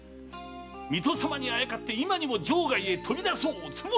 水戸様にあやかって今にも城外へ飛び出そうおつもり。